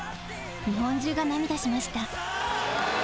日本中が涙しました。